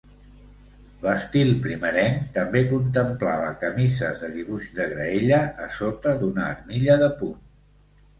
L'estil primerenc també contemplava camises de dibuix de graella a sota d'una armilla de punt.